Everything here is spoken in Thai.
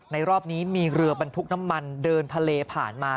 รอบนี้มีเรือบรรทุกน้ำมันเดินทะเลผ่านมา